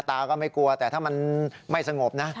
ตาก็ไม่กลัวแต่ถ้ามันไม่สงบนะ